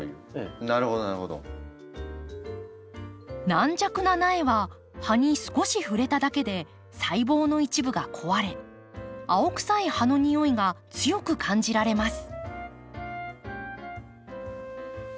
軟弱な苗は葉に少し触れただけで細胞の一部が壊れ青臭い葉のにおいが強く感じられます。